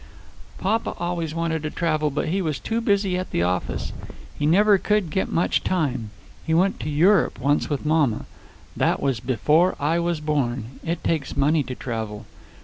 "Papa always wanted to travel, but he was too busy at the office. He never could get much time. He went to Europe once with mamma. That was before I was born. It takes money to travel."